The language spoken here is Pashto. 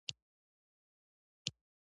يوې نرسې د درملو يوه نسخه راوړه.